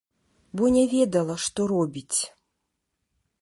Бо не ведала, што робіць.